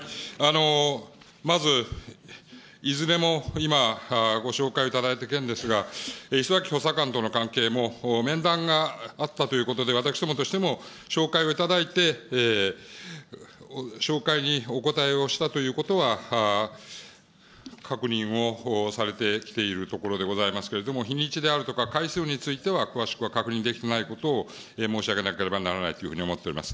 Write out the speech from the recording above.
まず、いずれも、今、ご紹介いただいた件ですが、礒崎補佐官との関係も、面談があったということで、私どもとしても照会をいただいて、照会にお答えをしたということは確認をされてきているところでございますけれども、日にちであるとか、回数については詳しくは確認できてないことを申し上げなければならないというふうに思っております。